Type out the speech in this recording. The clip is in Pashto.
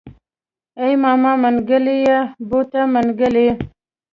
ای ماما منګلی يې بوته منګلی.